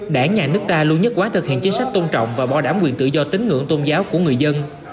đảng nhà nước ta luôn nhất quá thực hiện chính sách tôn trọng và bỏ đảm quyền tự do tính ngưỡng tôn giáo của người dân